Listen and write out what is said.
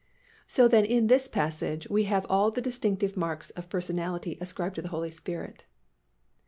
So then in this passage we have all the distinctive marks of personality ascribed to the Holy Spirit.